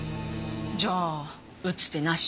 じゃあ打つ手なし？